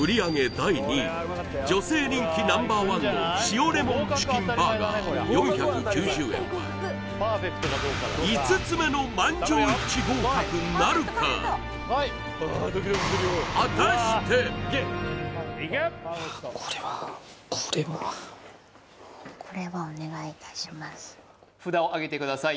第２位女性人気Ｎｏ．１の塩レモンチキンバーガー４９０円は５つ目の満場一致合格なるか札をあげてください